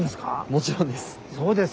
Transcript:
もちろんです。